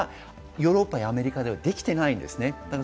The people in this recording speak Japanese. ヨーロッパやアメリカではできていないです。